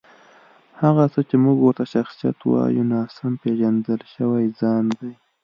هغه څه چې موږ ورته شخصیت وایو، ناسم پېژندل شوی ځان دی.